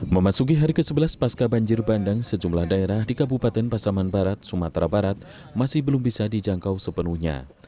memasuki hari ke sebelas pasca banjir bandang sejumlah daerah di kabupaten pasaman barat sumatera barat masih belum bisa dijangkau sepenuhnya